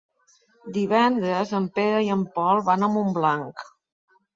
Divendres en Pere i en Pol van a Montblanc.